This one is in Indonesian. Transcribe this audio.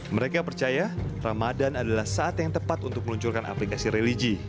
mereka percaya ramadan adalah saat yang tepat untuk meluncurkan aplikasi religi